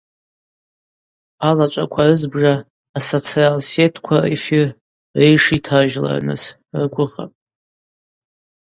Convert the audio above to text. Алачӏвараква рызбжа асоциал сетква рэфир рейша йтаржьларнысгьи ргвыгъапӏ.